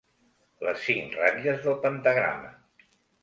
Les cinc ratlles del pentagrama.